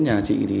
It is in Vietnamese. chị hạnh có hẹn